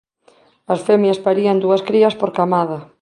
As femias parían dúas crías por camada.